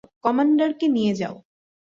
কমান্ডারকে নিয়ে যাও।